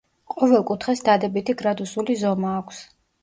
ყოველ კუთხეს დადებითი გრადუსული ზომა აქვს.